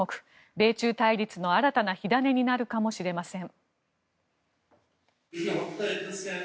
米中対立の新たな火種になるかもしれません。